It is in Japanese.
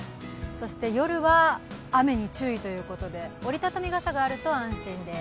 そして夜は雨に注意ということで折り畳み傘があると安心です。